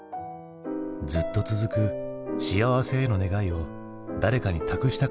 ずっと続く幸せへの願いを誰かに託したかったのか。